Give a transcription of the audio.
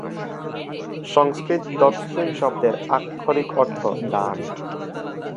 সংস্কৃত "দক্ষিণ" শব্দের আক্ষরিক অর্থ "ডান"।